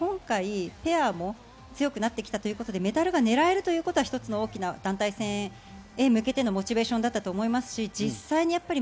今回、ペアも強くなってきたということでメダルが狙えるということは一つの大きな団体戦へ向けてのモチベーションだったと思います。